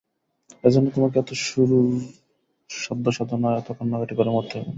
এজন্যে তোমাকে এত গুরুর সাধ্যসাধনা, এত কান্নাকাটি করে মরতে হবে না।